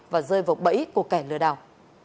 và rơi vào bẫy của kẻ lừa đào